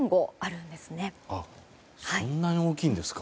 そんなに大きいんですか。